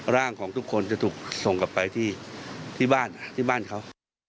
ร่างของทุกคนจะถูกส่งกลับไปที่บ้านที่บ้านเขา